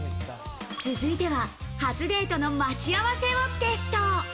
続いては、初デートの待ち合わせをテスト。